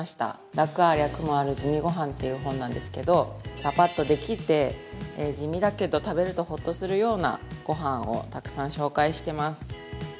「楽ありゃ苦もある地味ごはん。」という本なんですけど、ぱぱっとできて地味だけど、食べるとほっとするようなごはんをたくさん紹介してます。